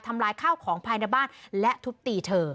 ลายข้าวของภายในบ้านและทุบตีเธอ